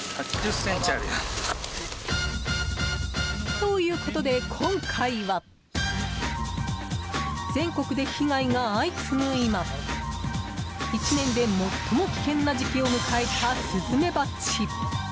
ということで今回は全国で被害が相次ぐ今１年で最も危険な時期を迎えたスズメバチ。